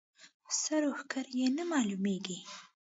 سر و ښکر یې نه معلومېږي.